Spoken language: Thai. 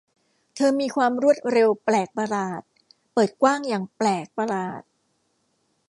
เธอมีความรวดเร็วแปลกประหลาดเปิดกว้างอย่างแปลกประหลาด